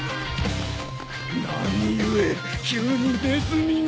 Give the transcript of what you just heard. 何故急にネズミが。